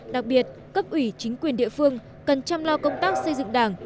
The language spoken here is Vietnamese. đặc biệt cấp ủy chính quyền địa phương cần chăm lo công tác xây dựng đảng